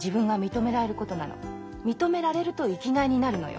認められると生きがいになるのよ。